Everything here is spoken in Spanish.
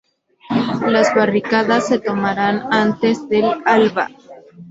Las barricadas se tomarán antes del alba".